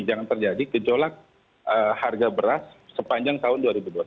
jangan terjadi gejolak harga beras sepanjang tahun dua ribu dua puluh satu